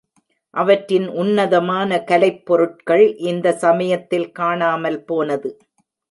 அவற்றின் உன்னதமான கலைப்பொருட்கள் இந்த சமயத்தில் காணாமல் போனது.